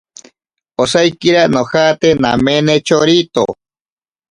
Osaikira nojate namene chorito.